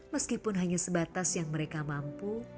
meskipun hanya sebatas yang mereka mampu